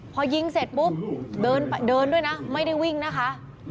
พอยิงเสร็จปุ๊บเดินด้วยนะไม่ได้วิ่งนะคะ